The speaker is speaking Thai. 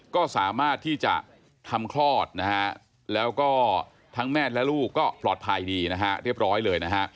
ก็สามารถที่จะทำคลอดนะฮะแล้วก็ทั้งแม่และลูกก็ปลอดภัยดีนะฮะเรียบร้อยเลยนะฮะ